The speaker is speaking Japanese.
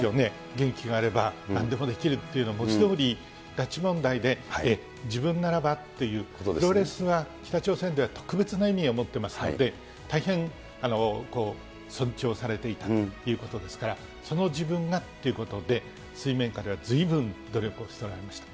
元気があればなんでもできるっていうのを文字どおり、拉致問題で、自分ならばという、プロレスは北朝鮮では特別な意味を持ってますので、大変尊重されていたということですから、その自分がということで、水面下ではずいぶん努力をされておられました。